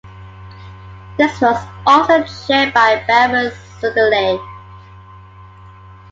This was also chaired by Baron Sudeley.